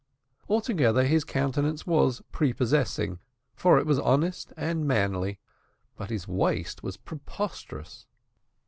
Altogether his countenance was prepossessing, for it was honest and manly, but his waist was preposterous.